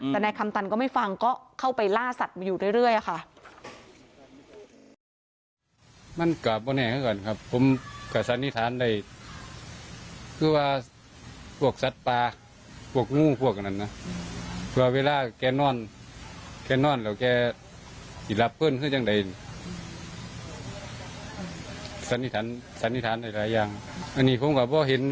แต่นายคำตันก็ไม่ฟังก็เข้าไปล่าสัตว์มาอยู่เรื่อยค่ะ